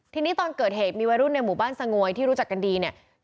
ทีนี้ตอนเกิดเหตุมีวัยรุ่นในหมู่บ้านสงวยที่รู้จักกันดีเนี่ย